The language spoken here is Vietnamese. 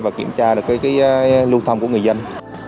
và kiểm tra được lưu thông của người dân